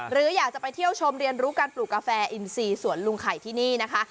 หรืออยากจะไปเที่ยวชมเรียนรู้การปลูกกาแฟอินซีสวนลุงไข่ที่นี่นะคะ